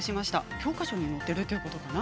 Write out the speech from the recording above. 教科書に載ってるってことかな。